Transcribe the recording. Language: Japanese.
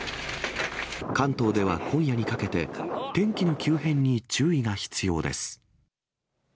関東では今夜にかけて、天気の急変に注意が必要です。